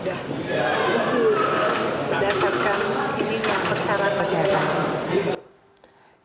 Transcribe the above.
jadi harusnya pada saat itu sudah berdasarkan persyarat persyarat